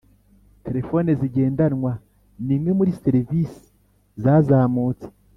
Telefoni zigendanwa ni imwe muri serivisi zazamutse